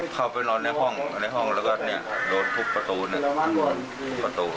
เข้าไปนอนในห้องในห้องแล้วก็โดนทุบประตู